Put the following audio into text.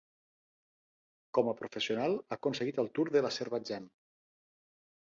Com a professional ha aconseguit el Tour de l'Azerbaidjan.